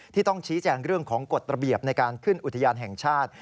ต้องชี้แจงเรื่องของกฎระเบียบในการขึ้นอุทยานแห่งชาติ